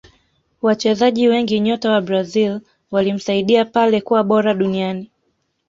Wachezaji wengi nyota wa Brazil walimsaidia pele kuwa bora duniani